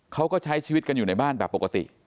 เขาก็ใช้ชีวิตกันอยู่ในบ้านแบบปกติ